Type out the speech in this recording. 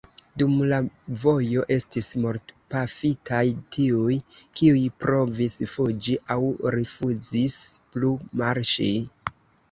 Dum la vojo estis mortpafitaj tiuj, kiuj provis fuĝi aŭ rifuzis plu marŝi.